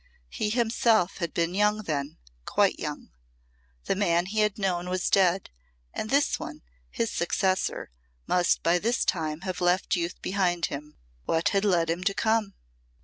He himself had been young then quite young. The man he had known was dead and this one, his successor, must by this time have left youth behind him. What had led him to come?